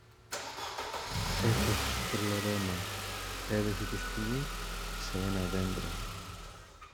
Έφθασε στο Τρελόρεμα, έδεσε το σκοινί σ' ένα δέντρο